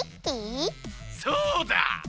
そうだ！